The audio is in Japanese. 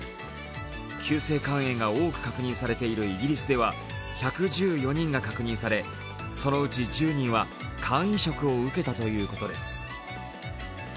急性肝炎が多く確認されているイギリスでは１１４人が確認されそのうち１０人は肝移植を受けたということです。